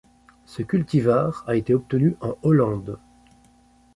Ce cultivar a été obtenu en Hollande.